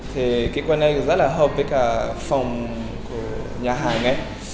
thì quạt này rất hợp với phòng nhà hàng